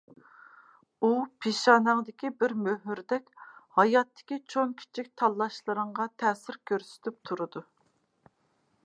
ئۇ پېشانەڭدىكى بىر مۆھۈردەك ھاياتتىكى چوڭ كىچىك تاللاشلىرىڭغا تەسىر كۆرسىتىپ تۇرىدۇ.